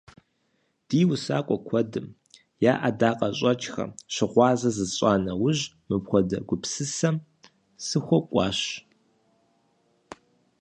Ди усакӀуэ куэдым я ӀэдакъэщӀэкӀхэм щыгъуазэ зысщӀа нэужь, мыпхуэдэ гупсысэм сыхуэкӀуащ.